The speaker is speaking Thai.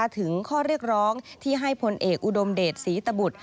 ถึงข้อเรียกร้องที่ให้พลเอกอุดมเดชศรีตบุตร